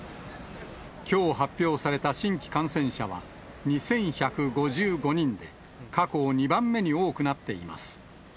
きょう発表された新規感染者は、２１５５人で、過去２番目に多くなっています。